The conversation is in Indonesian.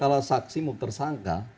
kalau saksi mau tersangka